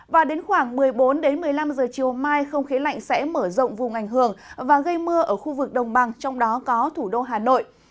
và đến khoảng một mươi bốn đến một mươi năm giờ chiều mai không khí lạnh sẽ mở rộng vùng ảnh hưởng và gây mưa ở khu vực đồng bằng trong đó có thủ đô hà nội